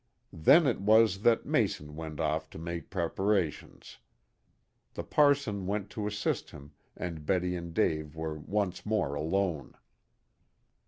Then it was that Mason went off to make preparations. The parson went to assist him, and Betty and Dave were once more alone.